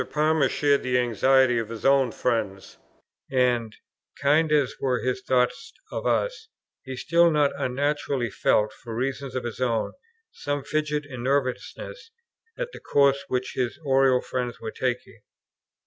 Palmer shared the anxiety of his own friends; and, kind as were his thoughts of us, he still not unnaturally felt, for reasons of his own, some fidget and nervousness at the course which his Oriel friends were taking.